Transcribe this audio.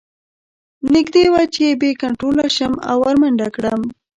نږدې وه چې بې کنتروله شم او ور منډه کړم